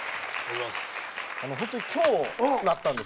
ホントに今日なったんです。